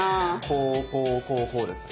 こうこうこうこうですかね？